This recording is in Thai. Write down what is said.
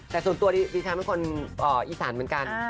แต่ส่วนตัวดิฉันเป็นคนอีสานเหมือนกัน